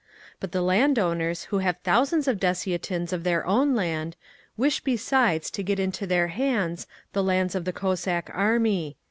But the landowners, who have thousands of dessiatins of their own land, wish besides to get into their hands the lands of the Cossack Army.